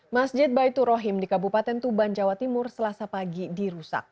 masjid baitur rahim di kabupaten tuban jawa timur selasa pagi dirusak